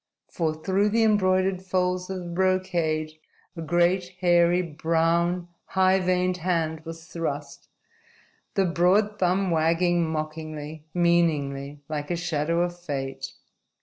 For through the embroidered folds of the brocade, a great, hairy, brown, high veined hand was thrust, the broad thumb wagging mockingly, meaningly, like a shadow of fate.